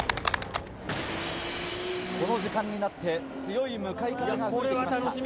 この時間になって強い向かい風が吹いて来ました。